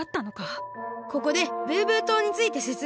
ここでブーブー島についてせつめいするね。